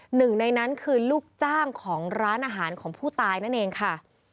หนึ่งในนั้นคือลูกจ้างของร้านอาหารของผู้ตายนั่นเองค่ะ